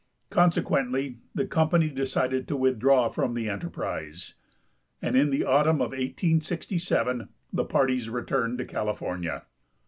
Consequently the company de cided to withdraw from the enterprise and in the autumn of 1867 the parties returned to California.